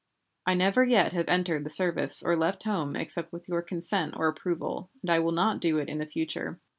I never yet have entered the service or left home except with your consent or approval, and I will not do it in the future.